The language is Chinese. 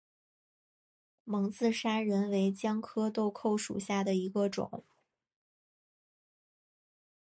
蒙自砂仁为姜科豆蔻属下的一个种。